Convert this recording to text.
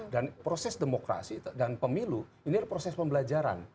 dan proses demokrasi dan pemilu ini adalah proses pembelajaran